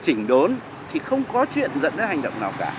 chỉnh đốn thì không có chuyện dẫn đến hành động nào cả